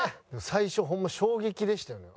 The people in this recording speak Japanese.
最初ホンマ衝撃でしたよね。